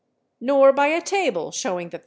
nor by a table showing that 38.